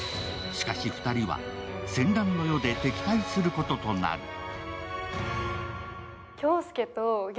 しかし２人は戦乱の世で敵対することとなる。